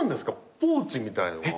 ポーチみたいのが。